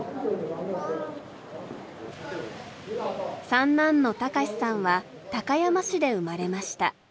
三男の隆さんは高山市で生まれました。